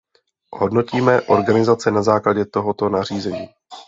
Hodnotíme organizace na základě tohoto nařízení.